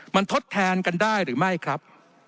มันทดแทนกันได้หรือไม่ครับ